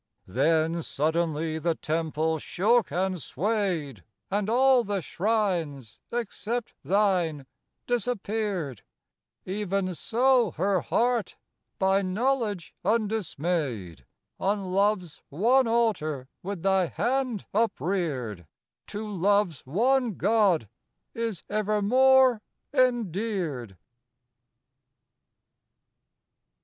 48 Then suddenly the Temple shook and swayed, And all the shrines, except thine, disappeared; Even so her heart, by knowledge undismayed, On Love's one altar with thy hand upreared, To Love's one God is evermore endeared.